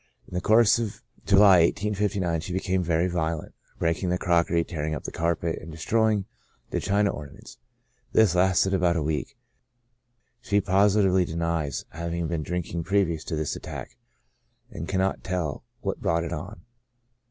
In the course of July, 1859, ^^^ became very violent, breaking the crockery, tearing up the carpet, and destroying the china ornaments : this lasted about a week. She positively denies having been drinking previous to this attack, and can not tell what brought it on.